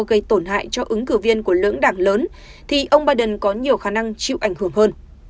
gây tổn hại cho ứng cử viên của lưỡng đảng lớn thì ông biden có nhiều khả năng chịu ảnh hưởng hơn